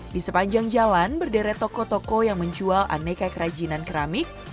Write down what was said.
di sepanjang jalan berderet toko toko yang menjual aneka kerajinan keramik